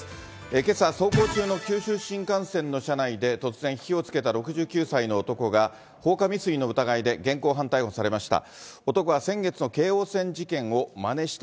けさ、走行中の九州新幹線の車内で、突然、火をつけた６９歳の男が、放火未遂の疑いで現行犯逮捕されました。